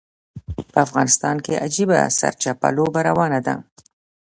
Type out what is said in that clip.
په افغانستان کې عجیبه سرچپه لوبه روانه ده.